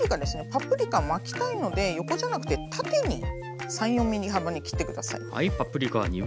パプリカ巻きたいので横じゃなくて縦に３４ｍｍ幅に切って下さい。